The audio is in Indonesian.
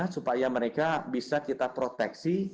supaya mereka bisa kita proteksi